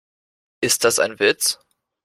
Ist das ein Witz?